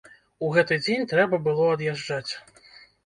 У гэты дзень трэба было ад'язджаць.